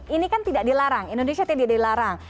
ini kan tidak dilarang indonesia tidak dilarang